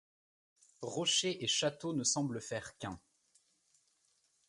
Rocher et château ne semblent faire qu'un.